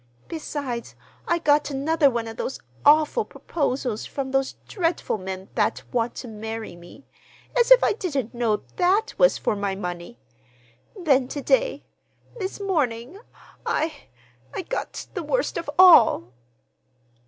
Besides, I got another one of those awful proposals from those dreadful men that want to marry me. As if I didn't know that was for my money! Then to day, this morning, I—I got the worst of all."